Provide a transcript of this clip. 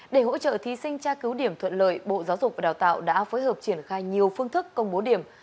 để hỗ trợ thí sinh tra cứu điểm thuận lợi bộ giáo dục và đào tạo đã phối hợp triển khai nhiều phương thức công bố điểm